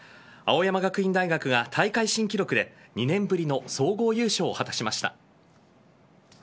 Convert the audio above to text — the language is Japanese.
青山学院大学が大会新記録で２年ぶりの総合優勝を果たしました。